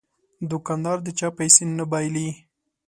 دوکاندار د چا پیسې نه بایلي.